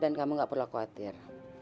dan kamu gak perlu khawatir